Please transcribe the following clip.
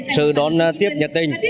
sự đón tiếp nhiệt tình